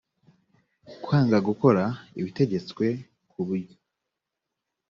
kwanga gukora ibitegetswe ku buryo